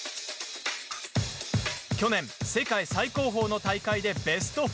去年、世界最高峰の大会でベスト４。